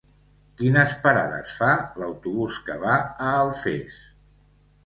Quines parades fa l'autobús que va a Alfés?